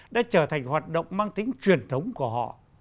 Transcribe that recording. đã trở thành hoạt động mang tính truyền thống của họ